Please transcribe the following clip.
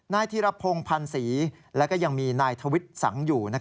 นายธิระโพงพรรษีและยังมีนายถวิทธิสังอยู่